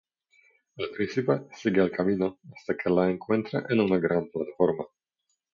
El príncipe sigue el camino hasta que la encuentra en una gran plataforma.